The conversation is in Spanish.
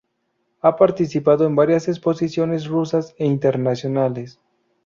Ha participado en varias exposiciones rusas e internacionales.